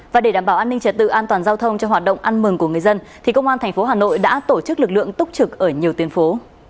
và để đảm bảo an ninh trật tự an toàn giao thông cho hoạt động ăn mừng của người dân thì công an tp hà nội đã tổ chức lực lượng túc trực ở nhiều tuyến phố